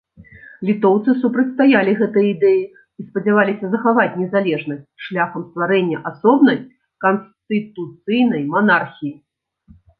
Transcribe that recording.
Літоўцы супрацьстаялі гэтай ідэі і спадзяваліся захаваць незалежнасць шляхам стварэння асобнай канстытуцыйнай манархіі.